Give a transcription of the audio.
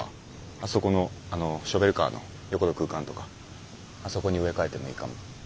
あそこのあのショベルカーの横の空間とかあそこに植え替えてもいいかも。